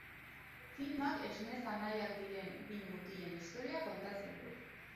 Filmak esnez anaiak diren bi mutilen istorioa kontatzen du.